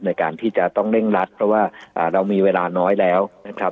ในการที่จะต้องเร่งรัดเพราะว่าเรามีเวลาน้อยแล้วนะครับ